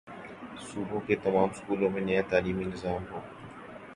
صوبے کے تمام سکولوں میں نیا تعلیمی نظام ہوگا